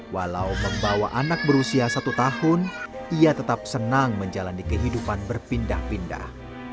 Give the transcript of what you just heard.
walau membawa anak berusia satu tahun ia tetap senang menjalani kehidupan berpindah pindah